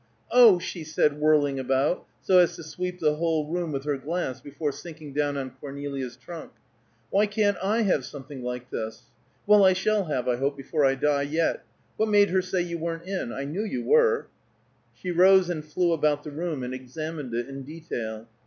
"Oh," she said, whirling about, so as to sweep the whole room with her glance, before sinking down on Cornelia's trunk, "why can't I have something like this? Well, I shall have, I hope, before I die, yet. What made her say you weren't in? I knew you were." She rose and flew about the room, and examined it in detail.